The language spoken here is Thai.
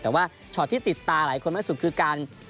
แต่ว่าช็อตที่ติดตาหลายคนมากสุดคือการ